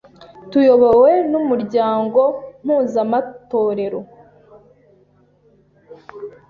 tuyobowe n’umuryango mpuzamatorero,